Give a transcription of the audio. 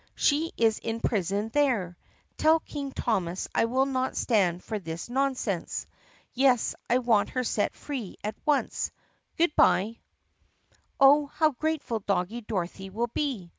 She is in prison there. Tell King Thomas I will not stand for this nonsense! Yes, I want her set free at once ! Good by." "Oh, how grateful Doggie Dorothy will be!"